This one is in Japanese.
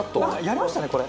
やりましたねこれ。